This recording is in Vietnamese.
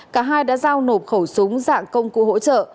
cả hai đã giao nộp khẩu súng dạng công cụ hỗ trợ